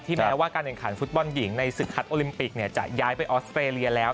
แม้ว่าการแข่งขันฟุตบอลหญิงในศึกคัดโอลิมปิกจะย้ายไปออสเตรเลียแล้ว